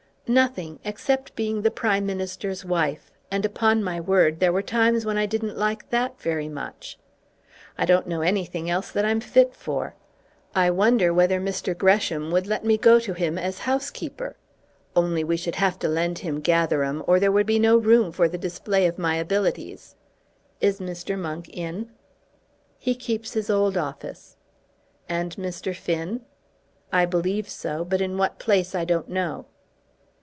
"Nothing; except being the Prime Minister's wife; and upon my word there were times when I didn't like that very much. I don't know anything else that I'm fit for. I wonder whether Mr. Gresham would let me go to him as housekeeper? Only we should have to lend him Gatherum, or there would be no room for the display of my abilities. Is Mr. Monk in?" "He keeps his old office." "And Mr. Finn?" "I believe so; but in what place I don't know."